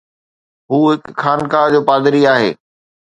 هو هڪ خانقاهه جو پادري آهي.